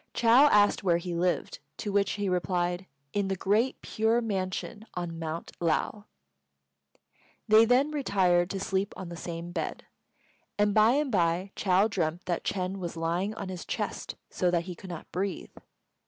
Chou asked where he lived, to which he replied, "In the Great Pure Mansion on Mount Lao." They then retired to sleep on the same bed; and by and by Chou dreamt that Ch'êng was lying on his chest so that he could not breathe.